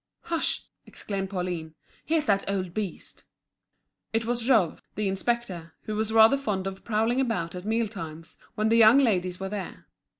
"Hush!" exclaimed Pauline; "here's that old beast!" It was Jouve, the inspector, who was rather fond of prowling about at meal times, when the young ladies were there.